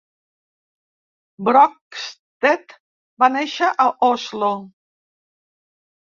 Brockstedt va néixer a Oslo.